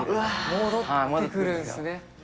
戻ってくるんですね。